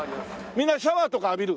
みんなシャワーとか浴びる？